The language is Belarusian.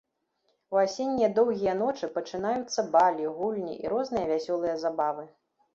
У асеннія доўгія ночы пачынаюцца балі, гульні і розныя вясёлыя забавы.